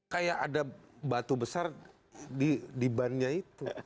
kayak ada batu besar di bannya itu